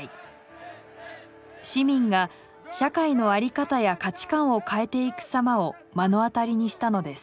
市民が社会の在り方や価値観を変えていくさまを目の当たりにしたのです。